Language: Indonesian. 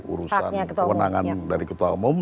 urusan kewenangan dari ketua umum